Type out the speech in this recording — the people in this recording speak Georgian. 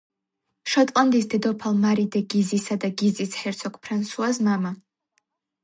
შოტლანდიის დედოფალ მარი დე გიზისა და გიზის ჰერცოგ ფრანსუას მამა.